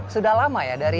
sudah lama ya dari